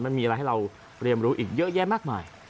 มันมีอะไรให้เราเรียนรู้อีกเยอะแยะมากมาย